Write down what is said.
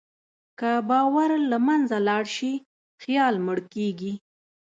که باور له منځه لاړ شي، خیال مړ کېږي.